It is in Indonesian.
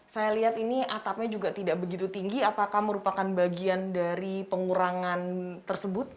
saya lihat ini atapnya juga tidak begitu tinggi apakah merupakan bagian dari pengurangan tersebut